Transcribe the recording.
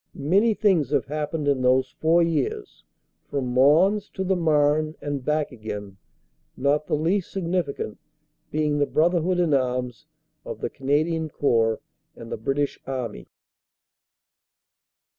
Many things have happened in those four years, from Mons to the Marne and back again, not the least significant being the brotherhood in arms of the Canadian Corps and the British Army.